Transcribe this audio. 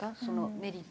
メリット